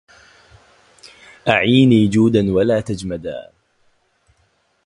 أعيني جودا ولا تجمدا